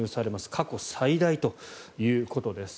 過去最大ということです。